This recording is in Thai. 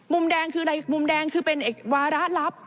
มุมแดงคืออะไรมุมแดงคือเป็นวาระลับ